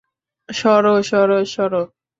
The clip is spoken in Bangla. সরো, সরো, সরো!